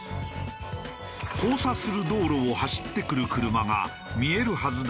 交差する道路を走ってくる車が見えるはずだと思い込んでしまう。